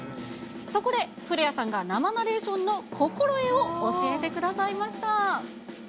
そこで、古谷さんが生ナレーションの心得を教えてくださいました。